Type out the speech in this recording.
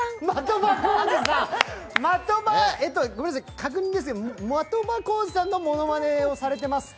確認ですが的場浩司さんのものまねをされてますか？